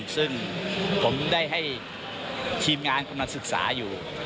ซึ่งผมได้ให้ทีมงานกำลังศึกษาอยู่